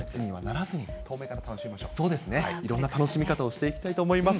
いろんな楽しみ方をしていきたいと思います。